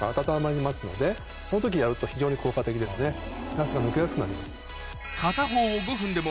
ガスが抜けやすくなります。